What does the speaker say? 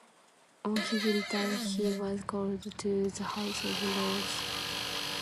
On his return he was called to the House of Lords.